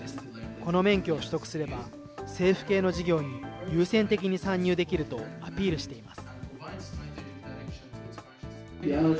この免許を取得すれば、政府系の事業に優先的に参入できるとアピールしています。